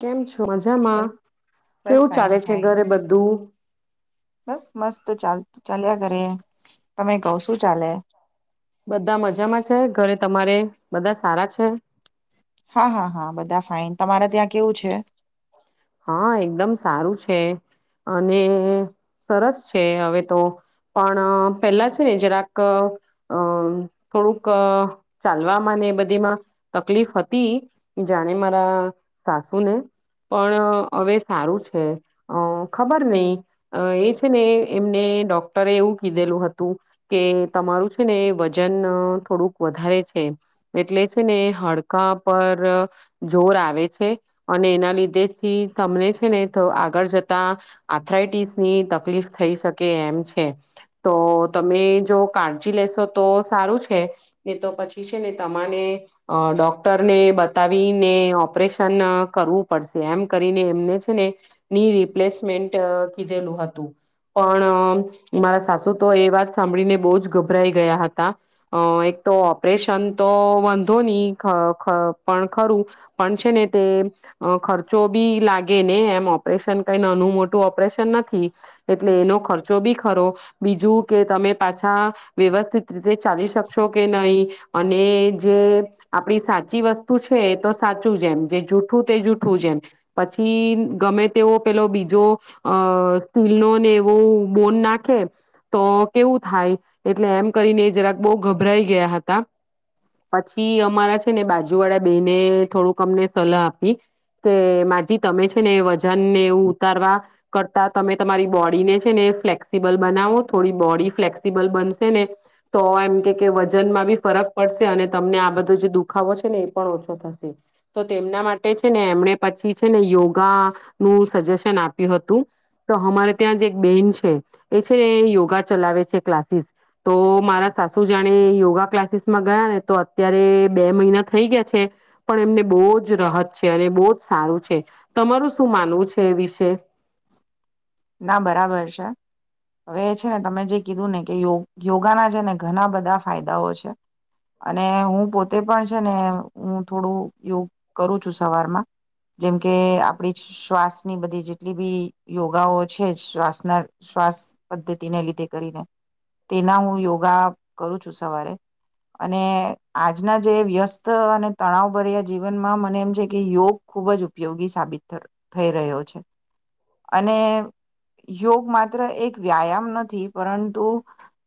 કેમ છો મજામાં બસ બસ કેવું ફાઈન ચાલે છે ફાઈન ઘરે બધું બસ મસ્ત ચાલ ચાલ્યા. તમે કહ શું ચાલે બધા મજામાં છે ઘરે તમારે બધા સારા છે. હા હા હા બધા ફાઇન તમારે ત્યાં કેવું છે. હા એકદમ સારું છે અને સરસ છે હવે તો પણ પેલા છે ને જરાક અ થોડુંક ચાલવામાં ને બધીમાં તકલીફ હતી જાણે મારા સાસુને પણ હવે સારું છે અ ખબર નહી એ છે ને એમને ડોક્ટરે એવું કીધેલું હતું કે તમારું છે ને વજન થોડુંક વધારે છે એટલે છે ને હડકા પર જોર આવે છે અને એના લીધે થી તમને છે ને આગળ જતા આથરાઇટીસ ની તકલીફ થઈ શકે એમ છે, તો તમે જો કાળજી લેશો તો સારું છે, ને તો પછી છે ને તમાને ડોક્ટરને બતાવીને ઓપરેશન કરવું પડશે. એમ કરીને એમને છે ને, ની રિપ્લેસમેન્ટ કીધેલું હતું પણ મારા સાસુ તો એ વાત સાંભળીને બહુ જ ગભરાઈ ગયા હતા અ એક તો ઓપરેશન તો વાંધો ની પણ એ ખરું પણ છે ને તે ખર્ચ ખચો બી લાગે ને એમ ઓપરેશન કઈ નાનું મોટું ઓપરેશન નથી એટલે એનો ખર્ચો બી ખરો બીજું કે તમે પાછા વ્યવસ્થિત રીતે ચાલી શકશો કે નહી અને જે આપડી સાચી વસ્તુ છે એ તો સાચું જેમ જે જૂઠું તે જૂઠું જેમ. પછી ગમે તેઓ પેલો બીજો અ સ્ટીલ નો ને એવો બોન નાખે તો કેવું થાય એટલે એમ કરીને જરાક બહુ ગભરાઈ ગયા હતા પછી અમારા છે ને બાજુ વાળા બેને થોડુંક અમને સલાહ આપી. તે માજી તમે છે ને વજન ને એ ઉતારવા કરતા તમે તમારી બોડીને છે ને ફ્લેક્સિબલ બનાવો થોડી બોડી ફ્લેક્સિબલ બનશે ને તો એમ કે કે વજનમાં બી ફરક પડશે અને તમને આ બધો જે દુખાવો છે ને એ પણ ઓછો થશે તો તેમના માટે છે ને એમણે પછી છેને યોગા નું સજેશન આપ્યું હતું તો અમારે ત્યાં જે એક બેન છે એ છે ને યોગા ચલાવે છે ક્લાસીસ તો મારા સાસુ જાણે યોગા ક્લાસીસ માં ગયા ને તો અત્યારે બે મહિના થઈ ગયા છે પણ એમને બહુ જ રાહત છે અને બહુ જ સારું છે તમારું શું માનવું છે એ વિશે ના બરાબર છે હવે છે ને તમે જે કીધું ને કે યોગાના છે ને ઘણા બધા ફાયદાઓ છે અને હું પોતે પણ છે ને હું થોડું યોગ કરું છું સવારમાં જેમ કે આપડી શ્વાસની બધી જેટલી બી યોગાઓ છે જ શ્વાસના શ્વાસ પદ્ધતિને લીધે કરીને તેના હું યોગા કરું છું સવારે અને આજના જે વ્યસ્ત અને તણાવભર્યા જીવનમાં મને એમ છે કે યોગ ખૂબ જ ઉપયોગી સાબિત થ થઈ રહ્યો છે અને યોગ માત્ર એક વ્યાયામ નથી પરંતુ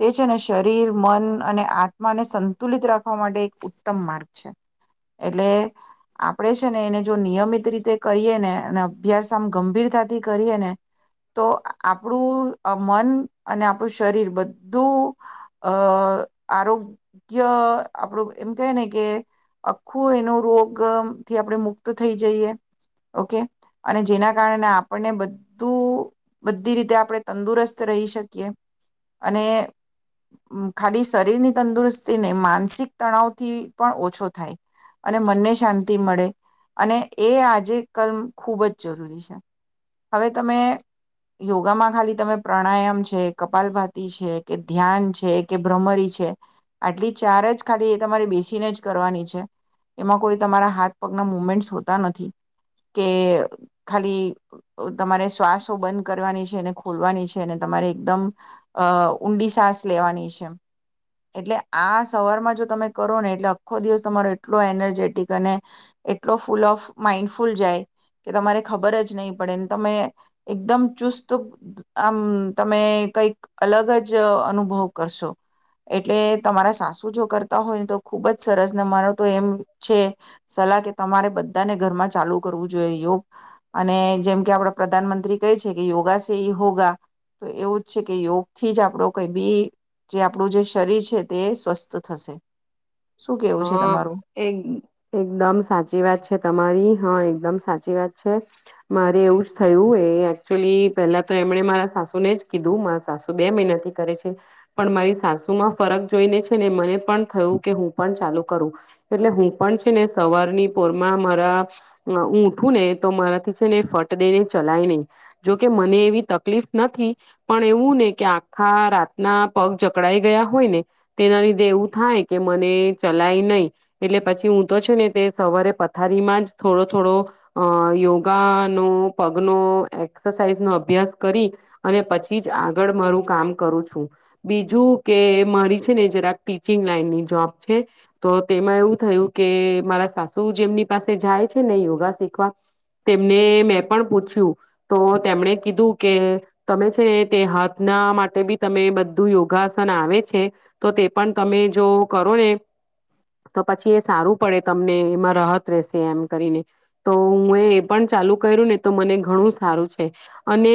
તે છે ના શરીર મન અને આત્માને સંતુલિત રાખવા માટે એક ઉત્તમ માર્ગ છે એટલે આપણે છે ને એને જો નિયમિત રીતે કરીએ ને અને અભ્યાસ આમ ગંભીરતાથી કરીએ ને તો આપણું મન અને આપણું શરીર બધું અ આરોગ્ય આપણું એમ કહે ને કે આખું એનો રોગથી આપણે મુક્ત થઈ જઈએ ઓકે અને જેના કારણે આપણને બધું બધી રીતે આપણે તંદુરસ્ત રહી શકીએ અને ખાલી શરીરની તંદુરસ્તીને માનસિક તણાવથી પણ ઓછો થાય અને મનને શાંતિ મળે અને એ આજે કમ ખૂબ જ જરૂરી છે હવે તમે યોગામાં ખાલી તમે પ્રાણાયામ છે, કપાલભાતી છે, કે ધ્યાન છે, કે ભ્રમરી છે, આટલી ચાર જ ખાલી એ તમારે બેસીને જ કરવાની છે એમાં કોઈ તમારા હાથ પગના મુમેન્ટ હોતા નથી કે ખાલી તમારે શ્વાસ બંધ કરવાની છે ખોલવાની છે અને તમારે એકદમ અ ઊંડી સાસ લેવાની છે એટલે આ સવારમાં જો તમે કરો ને એટલે આખો દિવસ તમારો એટલો એનર્જેટિક અને એટલો ફૂલ ઓફ માઈન્ડફુલ જાય. કે તમારે ખબર જ નહીં પડે ને તમે એકદમ ચુસ્ત આમ તમે કઈક અલગ જ અનુભવ કરશો એટલે તમારા સાસુ જો કરતા હોય ને તો ખુબ જ સરસ ને મારો તો એમ છે સલાહ કે તમારે બધાને ઘરમાં ચાલુ કરવું જોઈએ યોગ અને જેમ કે આપડ પ્રધાનમંત્રી કે છે કે યોગા સે હોગા તો એવું જ છે કે યોગથી જ આપણું કઈ બી જે આપણું જે શરીર છે તે સ્વસ્થ થશે શું કેવું છે હા તમારું એક એકદમ સાચી વાત છે તમારી હા એકદમ સાચી વાત છે મારે એવું જ થયું એ એકચુલી પેલા તો એમણે મારા સાસુને જ કીધું મારા સાસુ બે મહિના થી કરે છે પણ મારી સાસુમાં ફરક જોઈને છે ને મને પણ થયું કે હું પણ ચાલુ કરું એટલે હું પણ છે ને સવારની પોરમાં મારા હુ ઊઠું ને તો મારાથી છે ને ફટ દઈ ને ચલાય નહીં જોકે મને એવી તકલીફ નથી પણ એવું ને કે આખા રાતના પગ ચકડાઈ ગયા હોય ને તેના લીધે એવું થાય કે મને ચલાય નહી એટલે પછી હું તો છે ને તે સવારે પથારીમાં જ થોડો થોડો અ યોગાનો પગલો એક્સરસાઇઝ નો અભ્યાસ કરી અને પછી જ આગળ મારું કામ કરું છું બીજું કે મારી છે ને જરાક ટીચિંગ લાઈનની જોબ તો તેમાં એવું થયું કે મારા સાસુ જેમની પાસે જાય છે ને યોગા શીખવા તેમને મેં પણ પૂછ્યું તો તેમણે કીધું કે તમે છેને તે હાથના માટે બી તમે બધું યોગાસન આવે છે તો તે પણ તમે જો કરો ને તો પછી એ સારું પડે તમને એમાં રાહત રહેશે એમ કરીને તો હું એ એ પણ ચાલુ કર્યું ને તો મને ઘણું સારું છે અને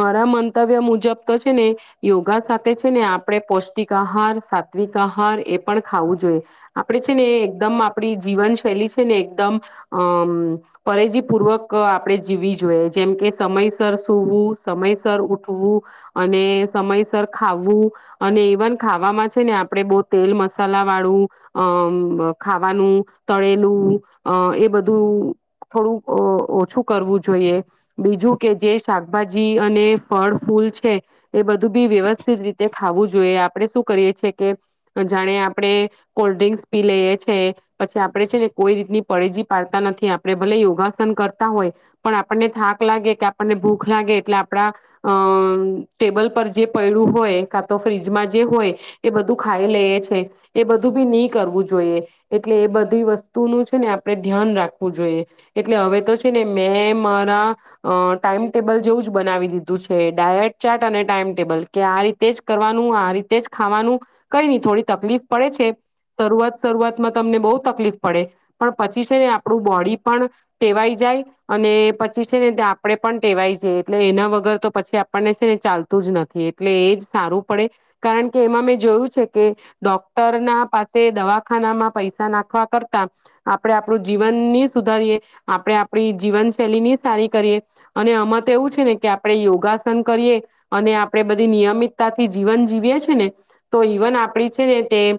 મારા મંતવ્ય મુજબ તો છે ને યોગા સાથે છે ને આપણેે પૌષ્ટિક આહાર સાત્વિક આહાર એ પણ ખાવું જોઈએ આપડે છે ને એકદમ આપડી જીવનશૈલી છે ને એકદમ અમ પરેજીપૂર્વક આપણેે જીવવી જોઈએ જેમકે સમયસર સૂવું સમયસર ઉઠવું અને સમયસર ખાવું અને ઇવન ખાવામાં છે ને આપડણે બહુ તેલ મ મસાલા વાળું અ ખાવાનું તળેલું એ બધું થોડું ઓછું કરવું જોઈએ બીજું કે જે શાકભાજી અને ફળ ફૂલ છે એ બધું બી વ્યવસ્થિત રીતે ખાવુ જોઈએ આપણે શું કરીએ છેએ કે જાણે આપણે કોલ્ડ ડ્રિંક્સ પી લઈએ છેએ પછી આપડે છે ને કોઈ રીતની પળેજી પાડતા નથી આપણે ભલે યોગાસન કરતા હોય પણ આપણને થાક લાગે કે આપણને ભૂખ લાગે એટલે આપડા અ ટેબલ પર જે પૈડું હોય કા તો ફ્રીજમાં જે હોય એ બધું ખાઈ લઈએ છે એ બધું બી નહી કરવું જોઈએ એટલે એ બધી વસ્તુનું છે ને આપે ધ્યાન રાખવું જોઈએ એટલે હવે તો છે ને મેં મારા અ ટાઈમટેબલ જેવું જ બનાવી દીધું છે ડાયટ ચાટ અને ટાઈમ ટેબલ કે આ રીતે જ કરવાનું આ રીતે જ ખાવાનું કઈ નહી થોડી તકલીફ પડે છે શરૂઆત શરૂઆતમાં તમને બહુ તકલીફ પડે પણ પછી છે ને આપણું બોડી પણ ટેવાઈ જાય અને પછી છે ને આપણે પણ ટેવાય જાય એટલે એના વગર તો પછી આપણને છે ને ચાલતું જ નથી એટલે એ જ સારું પડે કારણ કે એમાં મેં જોયું છે કે ડોક્ટર ના પાસે દવાખાનામાં પૈસા નાખવા કરતા આપડે આપણું જીવનની સુધારીએ આપણેે આપણી જીવનશૈલી ની સારી કરીએ અને અમત એવું છે ને કે આપણે યોગાસન કરીએ અને આપણેે બધી નિયમિતતા થી જીવન જીવીએ છી ને તો ઈવન આપડી ને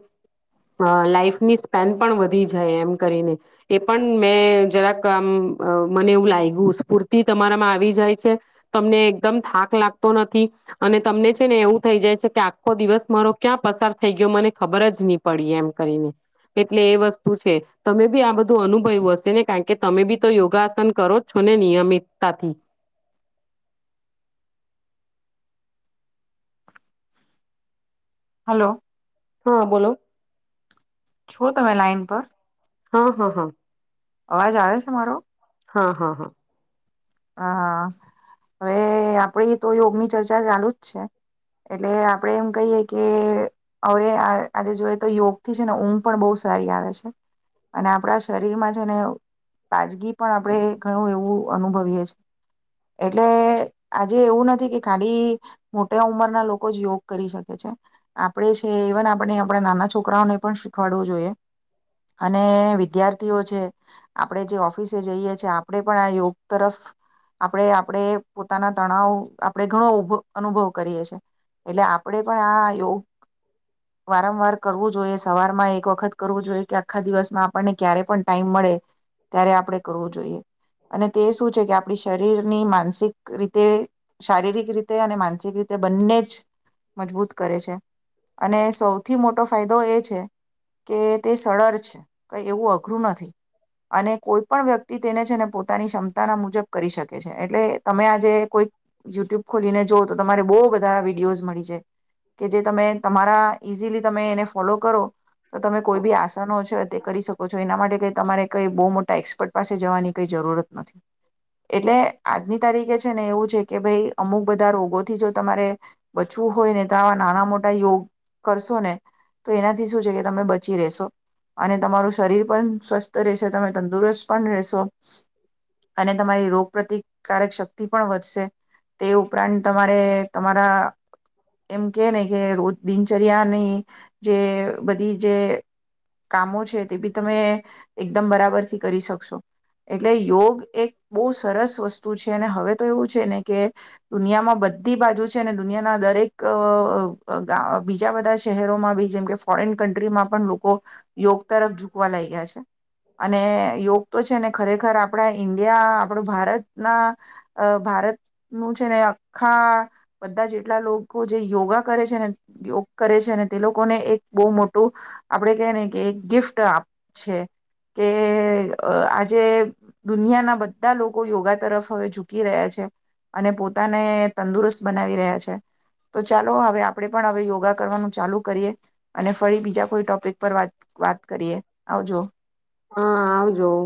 લાઈફની સ્પેન પણ વધી જાય એમ કરીને એ પણ મેં જરાક આ મને એવું લાગ્યું સ્ફૂર્તિ તમારામાં આવી જાય છે તમને એકદમ થાક લાગતો નથી અને તમને છે ને એવું થઈ જાય છે કે આખો દિવસ મારો ક્યાં પસાર થ થઈ ગયો મને ખબર જ નહી પડી એમ કરીને એટલે એ વસ્તુ છે તમે બી આ બધું અનુભય્યું હશે ને કારણ કે તમે બી તો યોગાસન કરો છો ને નિયમિતતાથી હલો હા બોલો છો તમે લાાઈન પર હા હા હા અવાજ આવે છે મારો હા હા હા હા હવે આપડી તો યોગની ચર્ચા ચાલુ જ છે એટલે આપડે એમ કહીએ કે હવે આ આજે જોઈ તો યોગથી છે ને ઊંઘ પણ બહુ સારી આવે છે અને આપડા શરીરમાં છે ને તાજગી પણ આપણે ઘણું એવું અનુભવીએ એટલે આજે એવું નથી કે ખાલી મોટા ઉંમરના લોકો જ યોગ કરી શકે છે આપણે છે ઈવન આપણે આપણા નાના છોકરાઓને પણ શીખવાડવું જોઈએ અને વિધ્યાર્થીઓ છે આપણે જે ઓફિસે જઈએ છે આપણે પણ આ યોગ તરફ આપણે આપણે પોતાના તણાવ આપણે ઘણો ભ અનુભવ કરીએ છીએ એટલે આપણેે પણ આ યોગ વારંવાર કરવું જોઈએ સવારમાં એક વખત કરવું જોઈએ કે આખા દિવસમાં આપણને ક્યારે પણ ટાઈમ મળે ત્યારે આપડણે કરવું જોઈએ અને તે શું છે કે આપણી શરીરની માનસિક રીતે શારીરિક રીતે અને માનસિક રીતે તે બંને જ મજબૂત કરે છે અને સૌથી મોટો ફાયદો એ છે કે તે સરળ છે કઈ એવું અઘરું નથી અને કોઈ પણ વ્યક્તિ તેને છે ને પોતાની ક્ષમતાના મુજબ કરી શકે છે એટલે તમે આજે કોઈક યુટ્યુબ ખોલીને જઓ તો તમારે બહુ બધા વિડીયોઝ મળી છે કે જે તમે તમારા ઇઝીલી તમે એને ફોલો કરો તો તમે કોઈ બી આસનો છે તે કરી શકો છો એના માટે કઈ તમારે કઈ બહુ મોટા એક્સપર્ટ પાસે જવાની કઈ જરૂરત નથી એટલે આજની તારીખે છે ને એવું છે કે ભાઈ અમુક બધા રોગોથી જો તમારે બચવું હોય ને તો આવા નાના મોટા યોગ કરશો ને તો એનાથી શું છે કે તમે બચી રહેેશો અને તમારું શરીર પણ સ્વસ્થ રહેશે તમે તંદુરસ્ત પણ રહેશો અને તમારી રોગ પ્ર્રતિકારક શક્તિ પણ વધશે તે ઉપરાંત તમારે તમારા એમ કે ને કે રોજ દિનચર્યાની જે બધી જે કામો છે તે બી તમે એકદમ બરાબર થી કરી શકશો એટલે યોગ એક સરસ વસ્તુ છે અને હવે તો એવું છે ને કે દુનિયામાં બધી બાજુ છે અને દુનિયાના દરેક બીજા બધા શહેરોમાં બી જેમ કે ફોરેન કન્ટ્રીમાં પણ લોકો યોગ તરફ ઝુકવા લાગ ગયા છે અને યોગ તો છે ને ખરેખર આપડા ઈન્ડિયા આપણું ભારતના અ ભારતનું છે ને આખા બધા જેટલા લોકો જે યોગા કરે છે ને યોગ કરે છે ને તે લોકોને એક બહુ મોટું આપડે કે ને કે એક ગિફ્ટ આપ છે કે આજે દુનિયાના બધ બધા લોકો યોગા તરફ હવે ઝૂકી રહ્યા છે અને પોતાને તંદુરસ્ત બનાવી રહ્યા છે તો ચાલો હવે આપણેે પણ હવે યોગા કરવાનું ચાલુ કરી અને ફરી બીજા કોઈ ટોપિક પર વાત કરીએ આવજો હા આવજો